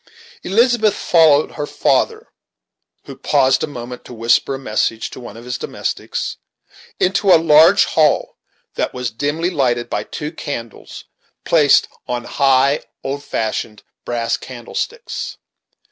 Elizabeth followed her father, who paused a moment to whisper a message to one of his domestics, into a large hall, that was dimly lighted by two candles, placed in high, old fashioned, brass candlesticks.